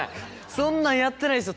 そんなんやってないっすよ